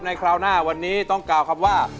คราวหน้าวันนี้ต้องกล่าวคำว่า